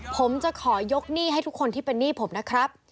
ผมจะขอยกหนี้ให้ทุกคนที่เป็นหนี้ผมนะครับ